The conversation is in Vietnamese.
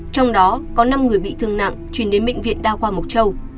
trong đó có năm người bị thương nặng chuyển đến bệnh viện đa khoa mộc châu